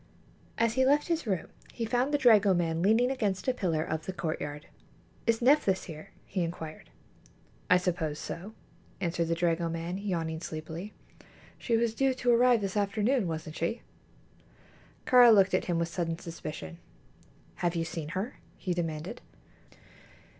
As he left his room he found the dragoman leaning against a pillar of the courtyard. "Is Nephthys here?" he inquired. "I suppose so," answered the dragoman, yawning sleepily. "She was due to arrive this afternoon, wasn't she?" Kāra looked at him with sudden suspicion. "Have you seen her?" he demanded.